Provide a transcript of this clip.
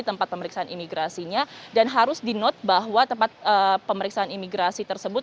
tempat pemeriksaan imigrasinya dan harus di note bahwa tempat pemeriksaan imigrasi tersebut